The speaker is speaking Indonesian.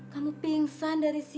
kamu pingsan dari siapapun